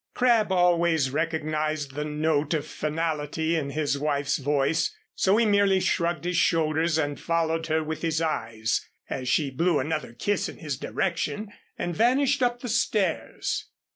Crabb always recognized the note of finality in his wife's voice, so he merely shrugged his shoulders and followed her with his eyes as she blew another kiss in his direction and vanished up the stairs.